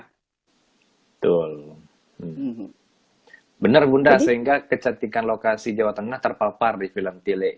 betul benar bunda sehingga kecantikan lokasi jawa tengah terpapar di film tile